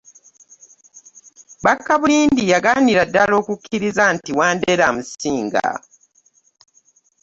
Bakkabulindi yagaanira ddala okukkiriza nti Wandera amusinga.